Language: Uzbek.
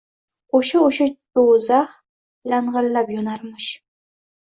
O‘sha-o‘sha do‘zax lang‘illab yonarmish.